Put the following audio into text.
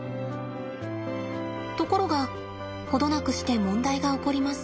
ところが程なくして問題が起こります。